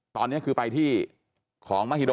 ตอนนี้คือไปที่ของมหิโด